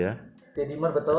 ya dimer betul